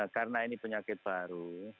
karena ini penyakit baru